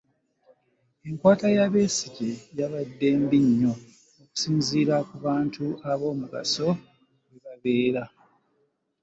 Enkwata ya Besigye yabadde mbi nnyo okusinziira ku bantu ab'omugaso bwe babeera.